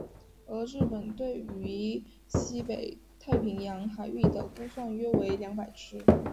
而日本对于西北太平洋海域的估算约为二千只。